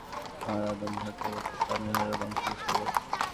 তারা আদম সন্তানদের মত পানাহার ও বংশ বিস্তার করে।